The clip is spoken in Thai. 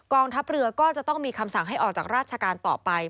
ทัพเรือก็จะต้องมีคำสั่งให้ออกจากราชการต่อไป